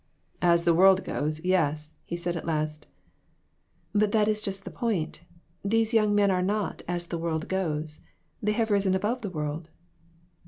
"As the world goes, yes," he said at last. "But that is just the point. These young men are not ' as the world goes '; they have risen above the world."